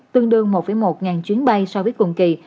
tương đương một một chuyến bay so với cùng kỳ